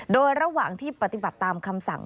โดยระหว่างที่ปฏิบัติตามคำสั่ง